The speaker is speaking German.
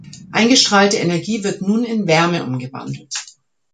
Eingestrahlte Energie wird nun in Wärme umgewandelt.